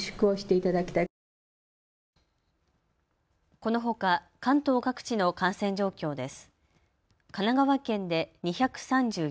このほか関東各地の感染状況です。